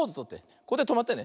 これでとまってね。